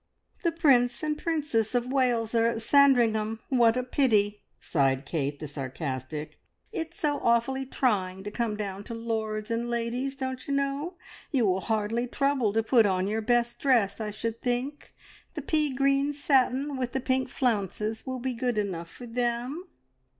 "The Prince and Princess of Wales are at Sandringham! What a pity!" sighed Kate, the sarcastic. "It's so awfully trying to come down to Lords and Ladies, don't you know! You will hardly trouble to put on your best dress, I should think. The pea green satin with the pink flounces will be good enough for them!"